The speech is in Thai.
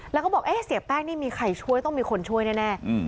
แล้วก็บอกเอ๊ะเสียแป้งนี่มีใครช่วยต้องมีคนช่วยแน่